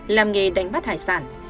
làm nghề đánh bắt hải sản